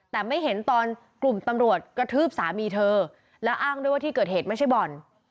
แต่ไม่เห็นตอนกลุ่มตำรวจกระทืบสามีเธอแล้วอ้างด้วยว่าที่เกิดเหตุไม่ใช่บ่อน